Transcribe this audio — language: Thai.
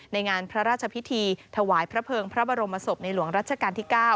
ในงานพระราชพิธีถวายพระเภิงพระบรมศพในหลวงรัชกาลที่๙